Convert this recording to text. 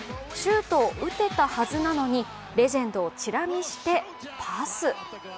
シュートを打てたはずなのにレジェンドをちら見してパス。